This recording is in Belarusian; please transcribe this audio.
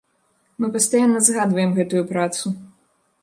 Мы пастаянна згадваем гэтую працу.